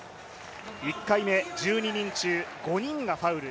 １回目、１２人中５人がファウル。